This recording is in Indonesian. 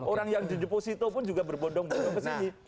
orang yang di deposito pun juga berbondong bondong ke sini